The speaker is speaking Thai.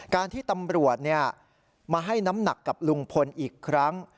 การที่ตำรวจมาให้น้ำหนักกับลุงพลอีกครั้ง